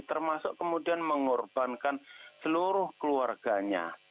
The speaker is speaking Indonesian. termasuk kemudian mengorbankan seluruh keluarganya